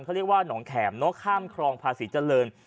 เขาเรียกว่าหนองแขมเนอะข้ามครองภาษีเจริญ